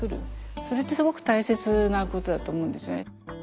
それってすごく大切なことだと思うんですよね。